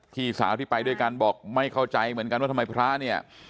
พี่สาวที่ไปด้วยกันบอกไม่เข้าใจเหมือนกันว่าทำไมพระเนี่ย